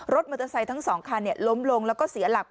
รถมอเตอร์ไซค์ทั้งสองคันล้มลงแล้วก็เสียหลัก